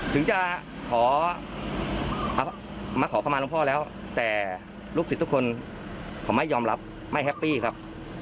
ถึงจะขอมาขอเข้ามาหลวงพ่อแล้วแต่ลูกศิษย์ทุกคนเขาไม่ยอมรับไม่แฮปปี้ครับ